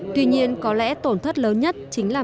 tuy nhiên có lẽ tổn thất lớn nhất chính là mặt tinh thần